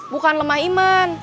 bukan lemah iman